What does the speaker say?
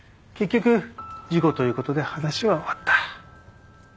結局事故ということで話は終わった。